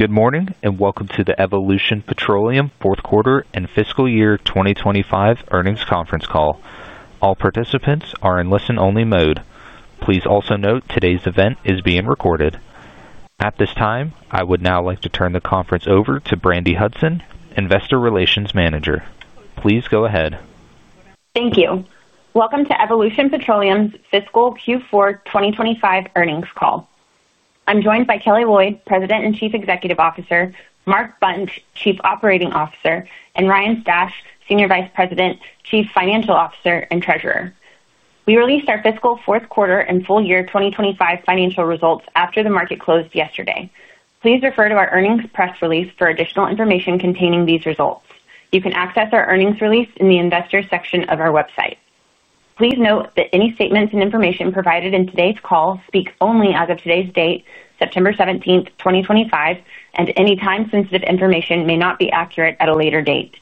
Good morning and welcome to the Evolution Petroleum Fourth Quarter and Fiscal Year 2025 Earnings Conference Call. All participants are in listen-only mode. Please also note today's event is being recorded. At this time, I would now like to turn the conference over to Brandi Hudson, Investor Relations Manager. Please go ahead. Thank you. Welcome to Evolution Petroleum's Fiscal Q4 2025 Earnings Call. I'm joined by Kelly Loyd, President and Chief Executive Officer; Mark Bunch, Chief Operating Officer; and Ryan Stash, Senior Vice President, Chief Financial Officer and Treasurer. We released our Fiscal Fourth Quarter and Full Year 2025 financial results after the market closed yesterday. Please refer to our earnings press release for additional information containing these results. You can access our earnings release in the Investors section of our website. Please note that any statements and information provided in today's call speak only as of today's date, September 17, 2025, and any time-sensitive information may not be accurate at a later date.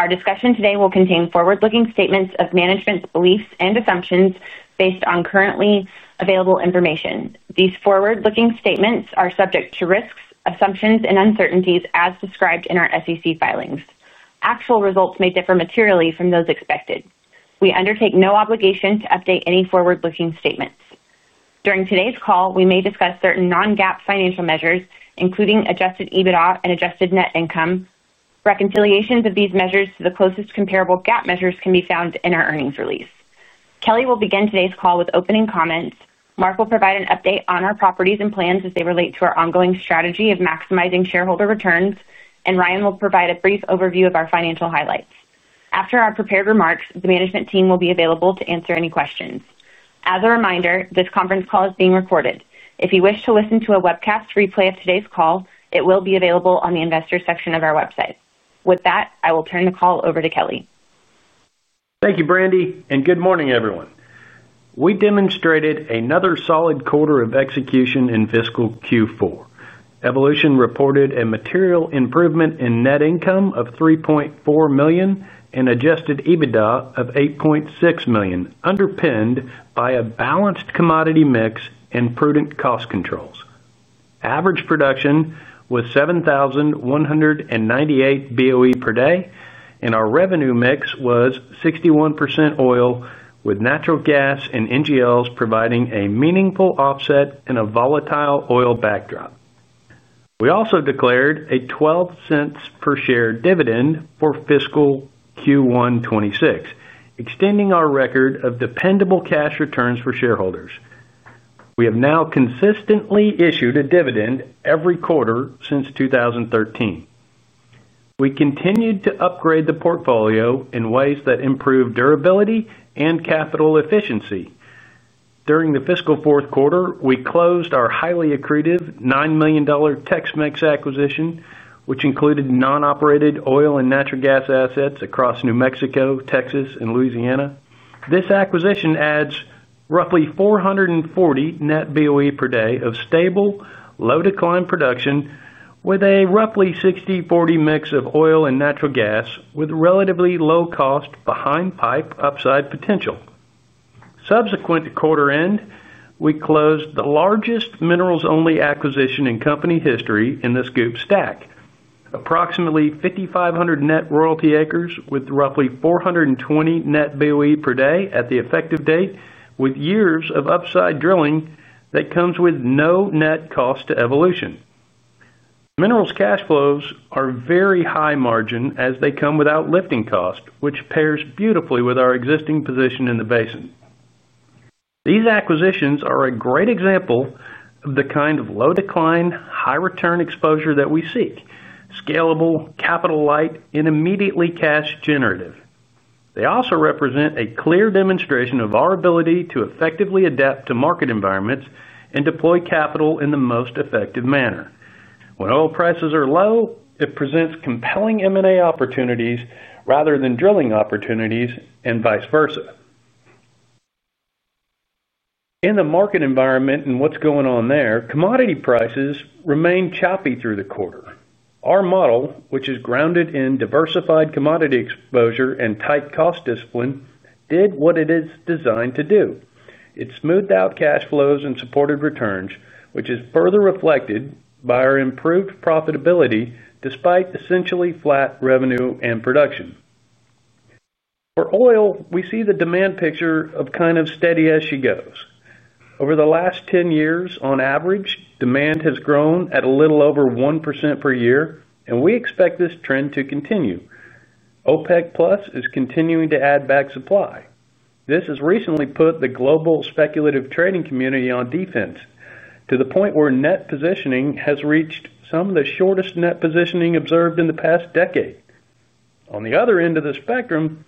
Our discussion today will contain forward-looking statements of management's beliefs and assumptions based on currently available information. These forward-looking statements are subject to risks, assumptions, and uncertainties as described in our SEC filings. Actual results may differ materially from those expected. We undertake no obligation to update any forward-looking statements. During today's call, we may discuss certain non-GAAP financial measures, including adjusted EBITDA and adjusted net income. Reconciliations of these measures to the closest comparable GAAP measures can be found in our earnings release. Kelly will begin today's call with opening comments. Mark will provide an update on our properties and plans as they relate to our ongoing strategy of maximizing shareholder returns, and Ryan will provide a brief overview of our financial highlights. After our prepared remarks, the management team will be available to answer any questions. As a reminder, this conference call is being recorded. If you wish to listen to a webcast replay of today's call, it will be available on the Investors section of our website. With that, I will turn the call over to Kelly. Thank you, Brandi, and good morning, everyone. We demonstrated another solid quarter of execution in Fiscal Q4. Evolution Petroleum reported a material improvement in net income of $3.4 million and adjusted EBITDA of $8.6 million, underpinned by a balanced commodity mix and prudent cost controls. Average production was 7,198 BOE per day, and our revenue mix was 61% oil, with natural gas and NGLs providing a meaningful offset in a volatile oil backdrop. We also declared a $0.12 per share dividend for Fiscal Q1 2026, extending our record of dependable cash returns for shareholders. We have now consistently issued a dividend every quarter since 2013. We continued to upgrade the portfolio in ways that improve durability and capital efficiency. During the Fiscal Fourth Quarter, we closed our highly accretive $9 million TexMex acquisition, which included non-operated oil and natural gas assets across New Mexico, Texas, and Louisiana. This acquisition adds roughly 440 net BOE per day of stable, low-decline production, with a roughly 60/40 mix of oil and natural gas, with relatively low cost behind pipe upside potential. Subsequent to quarter end, we closed the largest minerals-only acquisition in company history in the Scoop Stack, approximately 5,500 net royalty acres with roughly 420 net BOE per day at the effective date, with years of upside drilling that comes with no net cost to Evolution Petroleum. Minerals cash flows are very high margin as they come without lifting cost, which pairs beautifully with our existing position in the basin. These acquisitions are a great example of the kind of low-decline, high-return exposure that we seek: scalable, capital-light, and immediately cash-generative. They also represent a clear demonstration of our ability to effectively adapt to market environments and deploy capital in the most effective manner. When oil prices are low, it presents compelling M&A opportunities rather than drilling opportunities and vice versa. In the market environment and what's going on there, commodity prices remain choppy through the quarter. Our model, which is grounded in diversified commodity exposure and tight cost discipline, did what it is designed to do. It smoothed out cash flows and supported returns, which is further reflected by our improved profitability despite essentially flat revenue and production. For oil, we see the demand picture of kind of steady as she goes. Over the last 10 years, on average, demand has grown at a little over 1% per year, and we expect this trend to continue. OPEC Plus is continuing to add back supply. This has recently put the global speculative trading community on defense, to the point where net positioning has reached some of the shortest net positioning observed in the past decade. On the other end of the spectrum,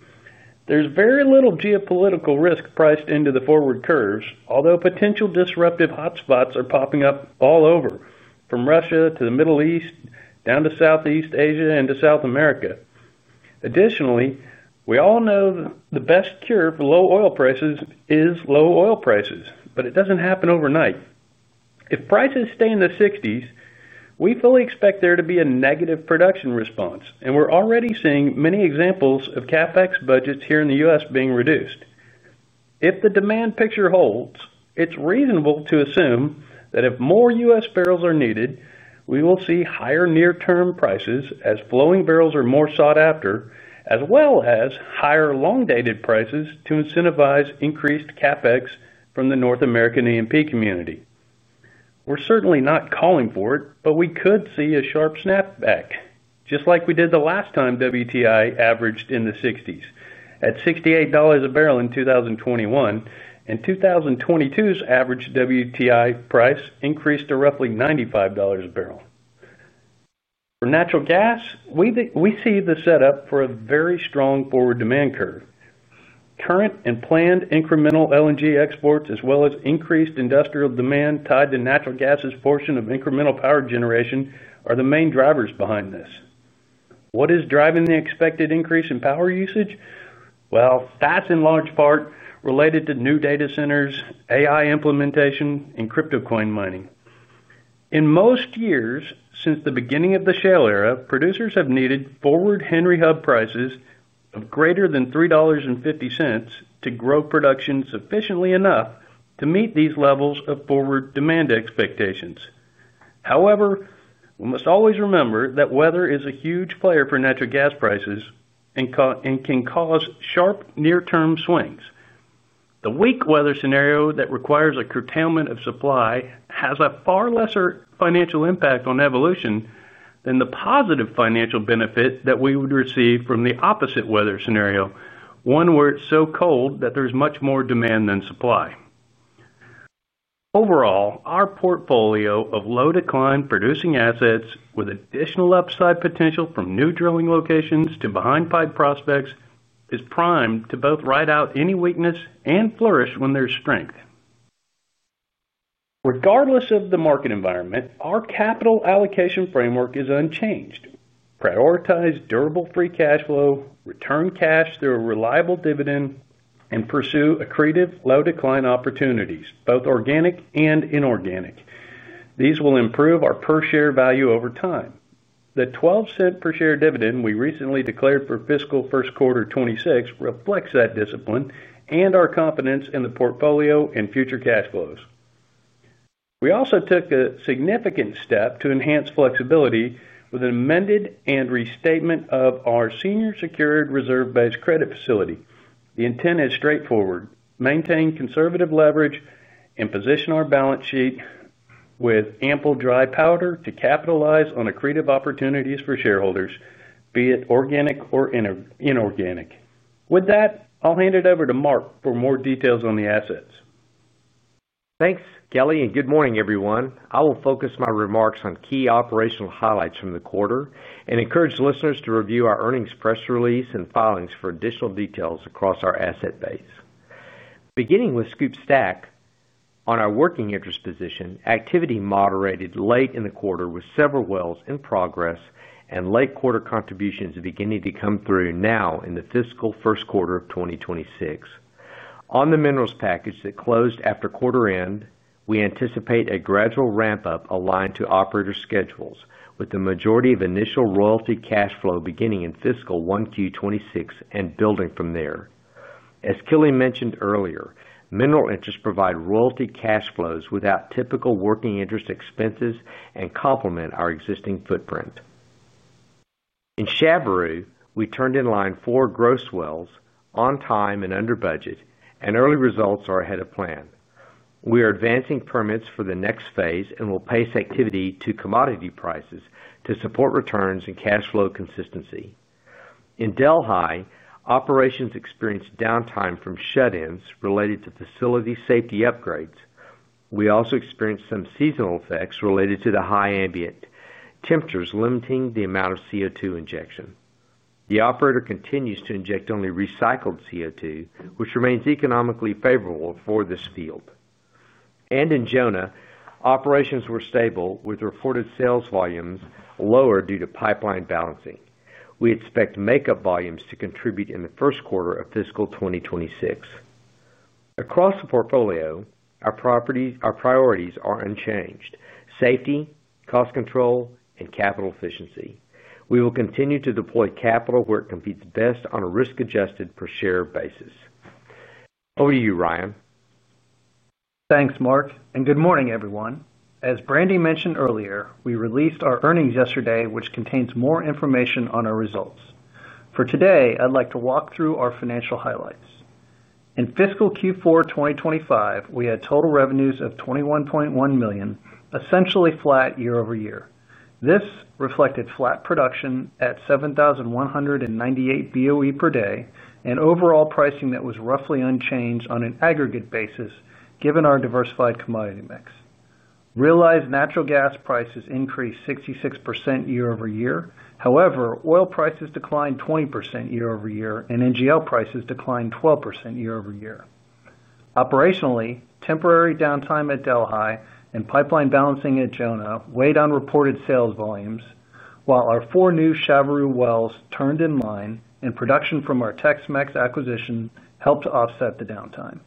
there's very little geopolitical risk priced into the forward curves, although potential disruptive hotspots are popping up all over, from Russia to the Middle East, down to Southeast Asia and to South America. Additionally, we all know the best cure for low oil prices is low oil prices, but it doesn't happen overnight. If prices stay in the $60s, we fully expect there to be a negative production response, and we're already seeing many examples of CapEx budgets here in the U.S. being reduced. If the demand picture holds, it's reasonable to assume that if more U.S. barrels are needed, we will see higher near-term prices as flowing barrels are more sought after, as well as higher long-dated prices to incentivize increased CapEx from the North American E&P community. We're certainly not calling for it, but we could see a sharp snapback, just like we did the last time WTI averaged in the $60s at $68 a barrel in 2021, and 2022's average WTI price increased to roughly $95 a barrel. For natural gas, we see the setup for a very strong forward demand curve. Current and planned incremental LNG exports, as well as increased industrial demand tied to natural gas's portion of incremental power generation, are the main drivers behind this. What is driving the expected increase in power usage? That's in large part related to new data centers, AI implementation, and crypto coin mining. In most years since the beginning of the Shale Era, producers have needed forward Henry Hub prices of greater than $3.50 to grow production sufficiently enough to meet these levels of forward demand expectations. However, we must always remember that weather is a huge player for natural gas prices and can cause sharp near-term swings. The weak weather scenario that requires a curtailment of supply has a far lesser financial impact on Evolution Petroleum than the positive financial benefit that we would receive from the opposite weather scenario, one where it's so cold that there's much more demand than supply. Overall, our portfolio of low-decline producing assets with additional upside potential from new drilling locations to behind pipe prospects is primed to both ride out any weakness and flourish when there's strength. Regardless of the market environment, our capital allocation framework is unchanged. Prioritize durable free cash flow, return cash through a reliable dividend, and pursue accretive low-decline opportunities, both organic and inorganic. These will improve our per share value over time. The $0.12 per share dividend we recently declared for Fiscal First Quarter 2026 reflects that discipline and our confidence in the portfolio and future cash flows. We also took a significant step to enhance flexibility with an amended and restatement of our senior secured reserve-based credit facility. The intent is straightforward: maintain conservative leverage and position our balance sheet with ample dry powder to capitalize on accretive opportunities for shareholders, be it organic or inorganic. With that, I'll hand it over to Mark for more details on the assets. Thanks, Kelly, and good morning, everyone. I will focus my remarks on key operational highlights from the quarter and encourage listeners to review our earnings press release and filings for additional details across our asset base. Beginning with Scoop Stack, on our working interest position, activity moderated late in the quarter with several wells in progress and late quarter contributions beginning to come through now in the Fiscal First Quarter of 2026. On the minerals package that closed after quarter end, we anticipate a gradual ramp-up aligned to operator schedules, with the majority of initial royalty cash flow beginning in Fiscal 1Q 2026 and building from there. As Kelly mentioned earlier, mineral interests provide royalty cash flows without typical working interest expenses and complement our existing footprint. In Shabbaroo, we turned in line four gross wells on time and under budget, and early results are ahead of plan. We are advancing permits for the next phase and will pace activity to commodity prices to support returns and cash flow consistency. In Delhi, operations experienced downtime from shut-ins related to facility safety upgrades. We also experienced some seasonal effects related to the high ambient temperatures limiting the amount of CO2 injection. The operator continues to inject only recycled CO2, which remains economically favorable for this field. In Jonah, operations were stable with reported sales volumes lower due to pipeline balancing. We expect makeup volumes to contribute in the first quarter of Fiscal 2026. Across the portfolio, our priorities are unchanged: safety, cost control, and capital efficiency. We will continue to deploy capital where it competes best on a risk-adjusted per share basis. Over to you, Ryan. Thanks, Mark, and good morning, everyone. As Brandi mentioned earlier, we released our earnings yesterday, which contains more information on our results. For today, I'd like to walk through our financial highlights. In Fiscal Q4 2025, we had total revenues of $21.1 million, essentially flat year over year. This reflected flat production at 7,198 BOE per day and overall pricing that was roughly unchanged on an aggregate basis given our diversified commodity mix. Realized natural gas prices increased 66% year over year, however, oil prices declined 20% year over year and NGL prices declined 12% year over year. Operationally, temporary downtime at Delhi and pipeline balancing at Jonah weighed on reported sales volumes, while our four new Shabbaroo wells turned in line and production from our TexMex acquisition helped offset the downtime.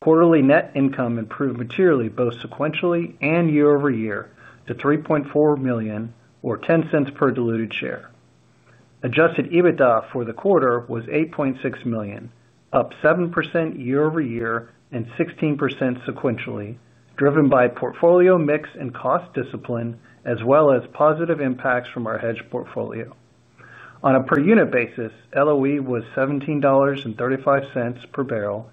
Quarterly net income improved materially both sequentially and year over year to $3.4 million, or $0.10 per diluted share. Adjusted EBITDA for the quarter was $8.6 million, up 7% year over year and 16% sequentially, driven by portfolio mix and cost discipline, as well as positive impacts from our hedge portfolio. On a per unit basis, LOE was $17.35 per barrel,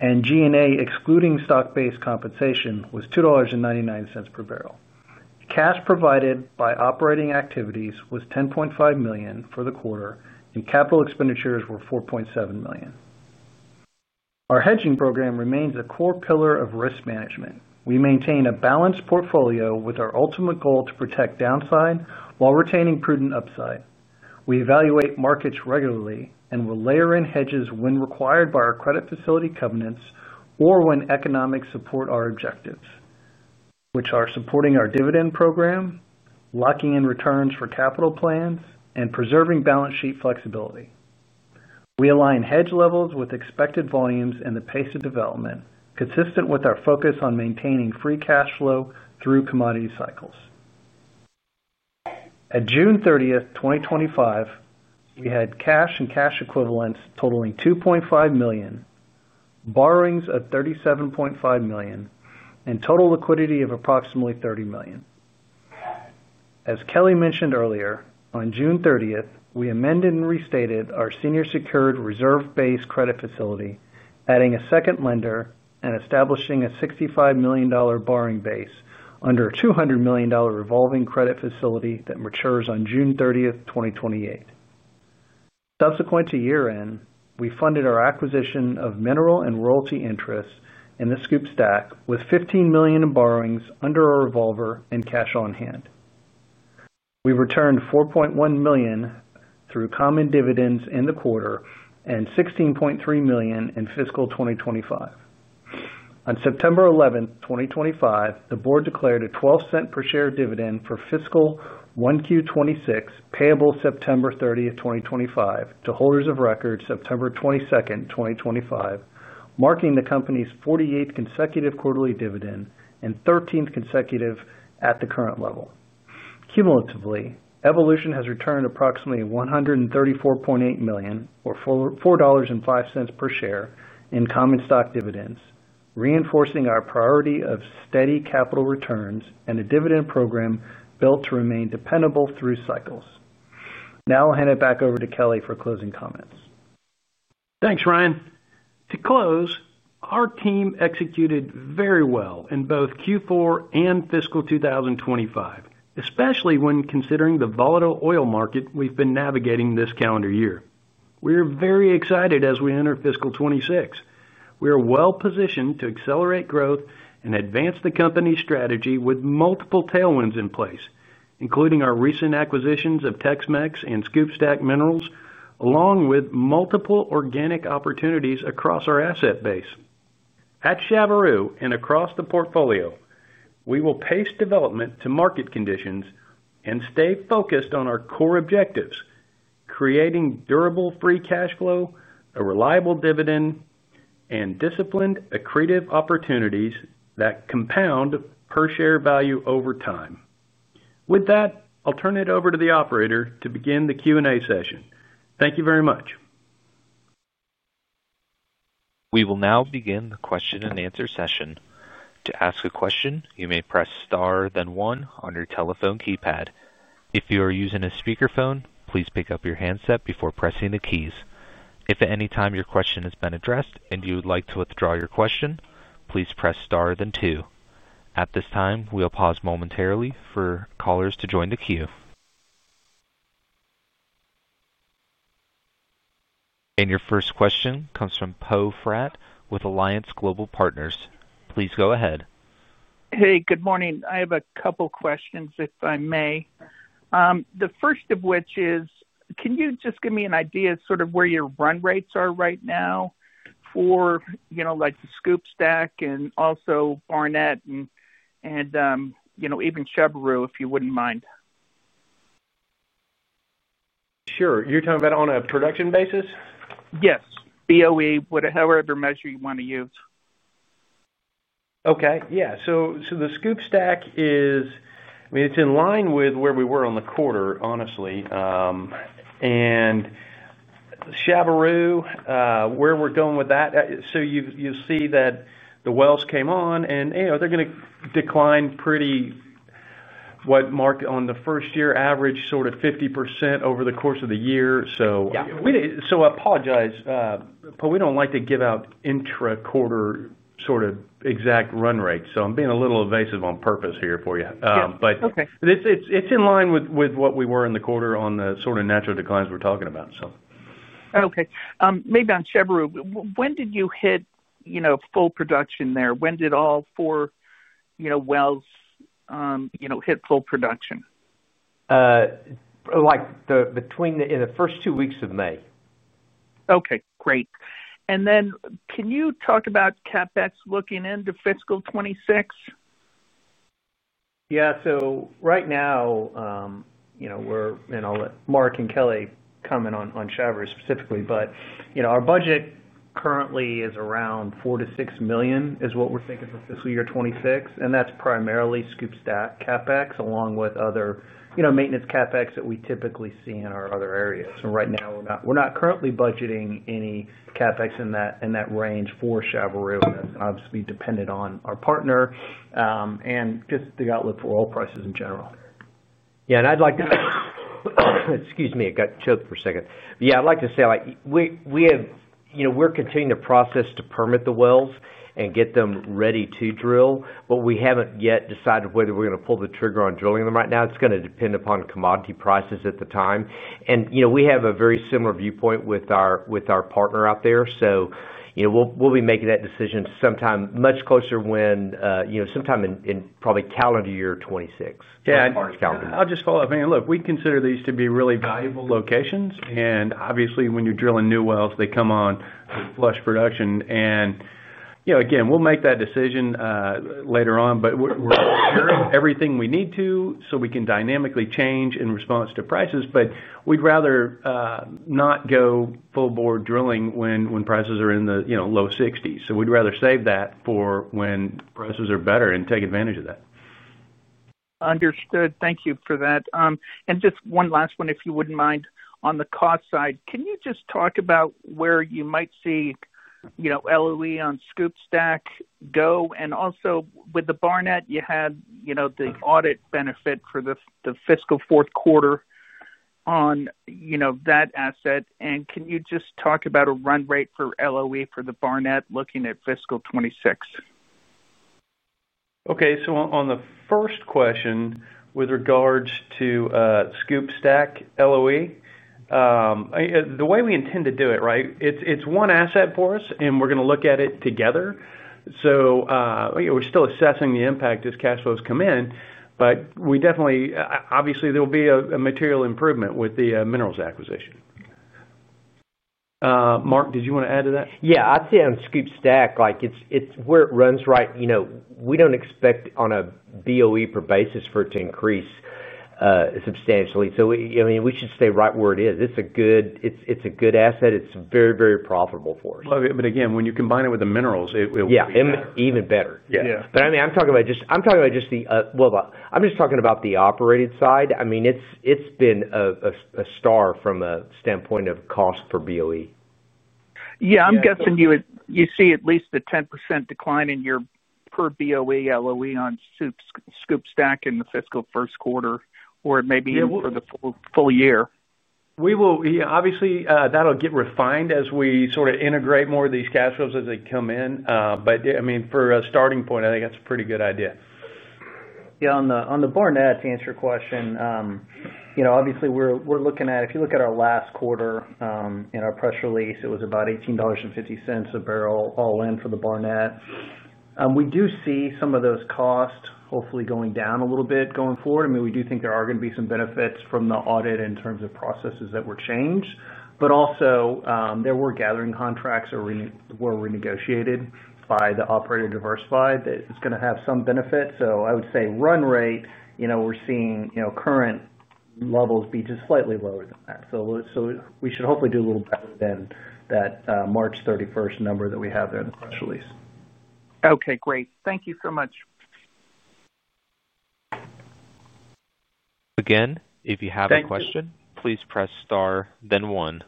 and G&A, excluding stock-based compensation, was $2.99 per barrel. Cash provided by operating activities was $10.5 million for the quarter, and capital expenditures were $4.7 million. Our hedging program remains a core pillar of risk management. We maintain a balanced portfolio with our ultimate goal to protect downside while retaining prudent upside. We evaluate markets regularly and will layer in hedges when required by our credit facility covenants or when economics support our objectives, which are supporting our dividend program, locking in returns for capital plans, and preserving balance sheet flexibility. We align hedge levels with expected volumes and the pace of development, consistent with our focus on maintaining free cash flow through commodity cycles. At June 30, 2025, we had cash and cash equivalents totaling $2.5 million, borrowings of $37.5 million, and total liquidity of approximately $30 million. As Kelly mentioned earlier, on June 30, we amended and restated our senior secured reserve-based credit facility, adding a second lender and establishing a $65 million borrowing base under a $200 million revolving credit facility that matures on June 30, 2028. Subsequent to year-end, we funded our acquisition of mineral and royalty interests in the Scoop Stack with $15 million in borrowings under our revolver and cash on hand. We returned $4.1 million through common dividends in the quarter and $16.3 million in Fiscal 2025. On September 11, 2025, the board declared a $0.12 per share dividend for Fiscal 1Q 2026 payable September 30, 2025, to holders of record September 22, 2025, marking the company's 48th consecutive quarterly dividend and 13th consecutive at the current level. Cumulatively, Evolution Petroleum has returned approximately $134.8 million, or $4.05 per share in common stock dividends, reinforcing our priority of steady capital returns and a dividend program built to remain dependable through cycles. Now I'll hand it back over to Kelly for closing comments. Thanks, Ryan. To close, our team executed very well in both Q4 and Fiscal 2025, especially when considering the volatile oil market we've been navigating this calendar year. We are very excited as we enter Fiscal 2026. We are well-positioned to accelerate growth and advance the company's strategy with multiple tailwinds in place, including our recent acquisitions of TexMex and Scoop Stack Minerals, along with multiple organic opportunities across our asset base. At Shabbaroo and across the portfolio, we will pace development to market conditions and stay focused on our core objectives: creating durable free cash flow, a reliable dividend, and disciplined accretive opportunities that compound per share value over time. With that, I'll turn it over to the operator to begin the Q&A session. Thank you very much. We will now begin the question and answer session. To ask a question, you may press star then one on your telephone keypad. If you are using a speakerphone, please pick up your handset before pressing the keys. If at any time your question has been addressed and you would like to withdraw your question, please press star then two. At this time, we'll pause momentarily for callers to join the queue. Your first question comes from Poe Fratt with Alliance Global Partners. Please go ahead. Hey, good morning. I have a couple of questions, if I may. The first of which is, can you just give me an idea of sort of where your run rates are right now for, you know, like the Scoop Stack and also Barnett and, you know, even Shabbaroo, if you wouldn't mind? Sure. You're talking about on a production basis? Yes, BOE, whatever measure you want to use. Okay. The Scoop Stack is, I mean, it's in line with where we were on the quarter, honestly. Shabbaroo, where we're going with that, you'll see that the wells came on and they're going to decline pretty, what Mark, on the first year average, sort of 50% over the course of the year. I apologize, but we don't like to give out intra-quarter exact run rates. I'm being a little evasive on purpose here for you, but it's in line with what we were in the quarter on the sort of natural declines we're talking about. Okay. Maybe on Shabbaroo, when did you hit full production there? When did all four wells hit full production? Between the first two weeks of May. Okay, great. Can you talk about CapEx looking into Fiscal 2026? Yeah, right now, we're, and I'll let Mark and Kelly comment on Shabbaroo specifically, but our budget currently is around $4-6 million is what we're thinking for Fiscal Year 2026, and that's primarily Scoop Stack CapEx along with other maintenance CapEx that we typically see in our other areas. Right now we're not currently budgeting any CapEx in that range for Shabbaroo, and that's obviously dependent on our partner and just the outlook for oil prices in general. Yeah, I'd like to say we have, you know, we're continuing to process to permit the wells and get them ready to drill, but we haven't yet decided whether we're going to pull the trigger on drilling them right now. It's going to depend upon commodity prices at the time. You know, we have a very similar viewpoint with our partner out there. We'll be making that decision sometime much closer when, you know, sometime in probably calendar year 2026. Yeah, I'll just call it. I mean, look, we consider these to be really valuable locations. Obviously, when you're drilling new wells, they come on a flush production. Again, we'll make that decision later on, but we're sure everything we need to so we can dynamically change in response to prices. We'd rather not go full board drilling when prices are in the low $60s. We'd rather save that for when prices are better and take advantage of that. Understood. Thank you for that. Just one last one, if you wouldn't mind, on the cost side, can you talk about where you might see LOE on Scoop Stack go? Also, with the Barnett, you had the audit benefit for the fiscal fourth quarter on that asset. Can you talk about a run rate for LOE for the Barnett looking at fiscal 2026? Okay, on the first question with regards to Scoop Stack LOE, the way we intend to do it, right? It's one asset for us, and we're going to look at it together. We're still assessing the impact as cash flows come in, but we definitely, obviously, there'll be a material improvement with the minerals acquisition. Mark, did you want to add to that? I'd say on Scoop Stack, it's where it runs, right? We don't expect on a BOE per basis for it to increase substantially. We should stay right where it is. It's a good asset. It's very, very profitable for us. When you combine it with the minerals, it will be even better. Yeah. I'm talking about just the operated side. It's been a star from a standpoint of cost per BOE. Yeah, I'm guessing you would see at least a 10% decline in your per BOE LOE on Scoop Stack in the fiscal first quarter or maybe even for the full year. Yeah, obviously, that'll get refined as we sort of integrate more of these cash flows as they come in. I think that's a pretty good idea for a starting point. Yeah, on the Barnett, to answer your question, you know, obviously we're looking at, if you look at our last quarter in our press release, it was about $18.50 a barrel all in for the Barnett. We do see some of those costs hopefully going down a little bit going forward. I mean, we do think there are going to be some benefits from the audit in terms of processes that were changed. There were gathering contracts that were renegotiated by the operator, Diversified, that is going to have some benefits. I would say run rate, you know, we're seeing, you know, current levels be just slightly lower than that. We should hopefully do a little better than that March 31, 2023 number that we have there in the press release. Okay, great. Thank you so much. Again, if you have a question, please press star then one.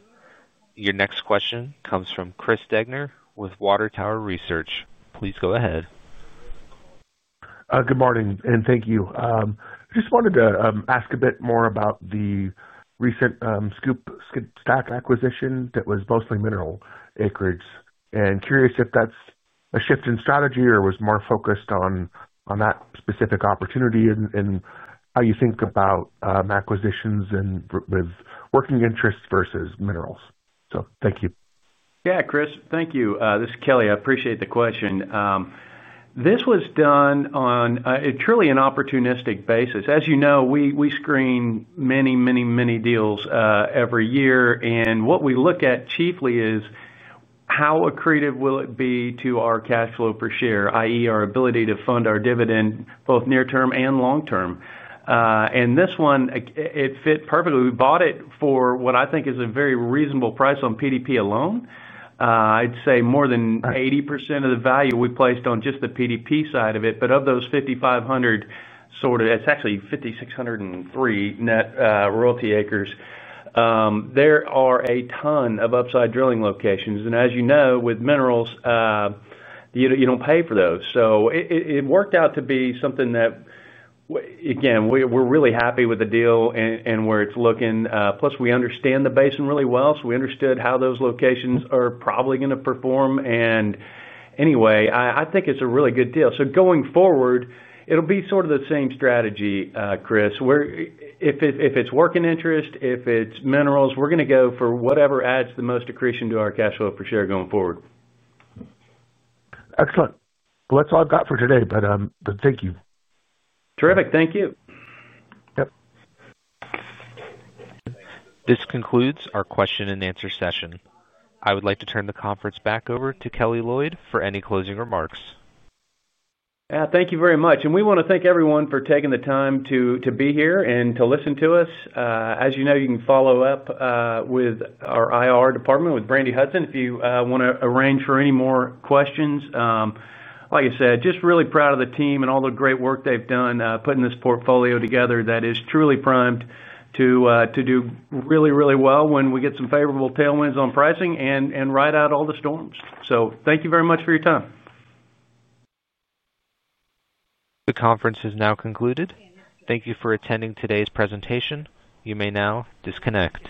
Your next question comes from Chris Degner with Water Tower Research. Please go ahead. Good morning and thank you. I just wanted to ask a bit more about the recent Scoop Stack acquisition that was mostly mineral acreage, and curious if that's a shift in strategy or was more focused on that specific opportunity and how you think about acquisitions and with working interests versus minerals. Thank you. Yeah, Chris, thank you. This is Kelly. I appreciate the question. This was done on a truly opportunistic basis. As you know, we screen many, many, many deals every year. What we look at chiefly is how accretive will it be to our cash flow per share, i.e. our ability to fund our dividend both near-term and long-term. This one, it fit perfectly. We bought it for what I think is a very reasonable price on PDP alone. I'd say more than 80% of the value we placed on just the PDP side of it. Of those 5,500, sort of, it's actually 5,603 net royalty acres. There are a ton of upside drilling locations. As you know, with minerals, you don't pay for those. It worked out to be something that, again, we're really happy with the deal and where it's looking. Plus, we understand the basin really well. We understood how those locations are probably going to perform. I think it's a really good deal. Going forward, it'll be sort of the same strategy, Chris, where if it's working interest, if it's minerals, we're going to go for whatever adds the most accretion to our cash flow per share going forward. Excellent. That's all I've got for today, but thank you. Terrific. Thank you. Yep. This concludes our question and answer session. I would like to turn the conference back over to Kelly Loyd for any closing remarks. Thank you very much. We want to thank everyone for taking the time to be here and to listen to us. As you know, you can follow up with our IR department with Brandi Hudson if you want to arrange for any more questions. Like I said, just really proud of the team and all the great work they've done putting this portfolio together that is truly primed to do really, really well when we get some favorable tailwinds on pricing and ride out all the storms. Thank you very much for your time. The conference is now concluded. Thank you for attending today's presentation. You may now disconnect.